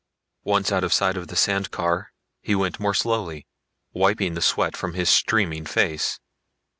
Once out of sight of the sand car he went more slowly, wiping the sweat from his streaming face.